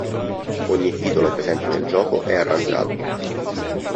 Ogni titolo presente nel gioco è "arrangiato".